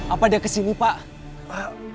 apa dia ke sini pak